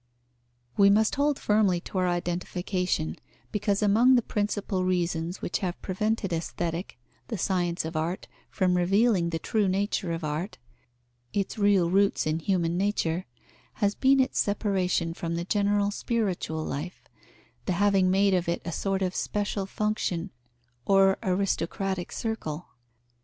We must hold firmly to our identification, because among the principal reasons which have prevented Aesthetic, the science of art, from revealing the true nature of art, its real roots in human nature, has been its separation from the general spiritual life, the having made of it a sort of special function or aristocratic circle.